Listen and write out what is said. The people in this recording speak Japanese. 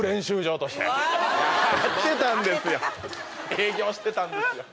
営業してんたんですよ。